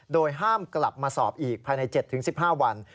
โดยห้ามกลับมาสอบอีกภายใน๗๑๕วัน